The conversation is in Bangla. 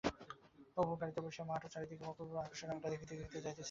অপু গাড়িতে বসিয়া মাঠ ও চারিধারের অপূর্ব আকাশের রংটা দেখিতে দেখিতে যাইতেছিল।